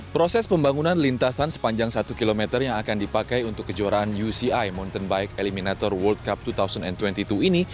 proses pembangunan lintasan sepanjang satu km yang akan dipakai untuk kejuaraan uci mountain bike eliminator world cup dua ribu dua puluh dua ini